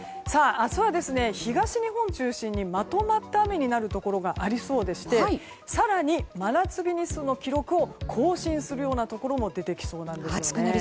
明日は、東日本中心にまとまった雨になるところがありそうでして更に真夏日日数の記録を更新するようなところも出てきそうなんです。